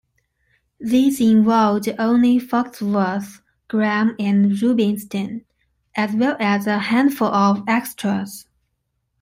These involved only Foxworth, Graham and Rubinstein as well as a handful of extras.